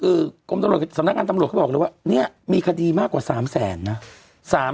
หรือสำนักการตำรวจทั้งหมดก็บอกเลยว่ามีคดีมากกว่า๓แสนน่ะ